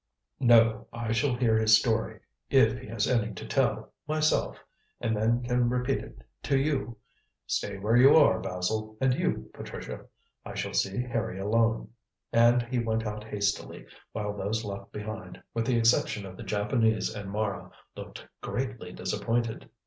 "No; I shall hear his story if he has any to tell myself, and then can repeat it to you. Stay where you are, Basil, and you, Patricia. I shall see Harry alone." And he went out hastily, while those left behind, with the exception of the Japanese and Mara, looked greatly disappointed.